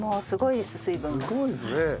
すごいですね。